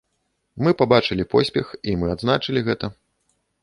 Мы пабачылі поспех і мы адзначылі гэта.